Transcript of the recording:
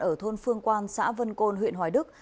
ở thôn phương quan xã vân côn huyện hoài đức